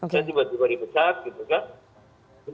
saya tiba tiba dipecat gitu kan